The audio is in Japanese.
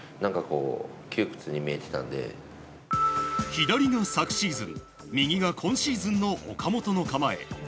左が昨シーズン右が今シーズンの岡本の構え。